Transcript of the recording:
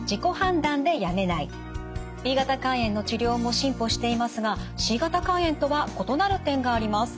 Ｂ型肝炎の治療も進歩していますがＣ型肝炎とは異なる点があります。